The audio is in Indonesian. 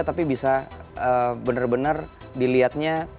tapi bisa bener bener dilihatnya